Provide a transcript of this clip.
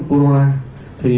thì chúng tôi đã xuất phát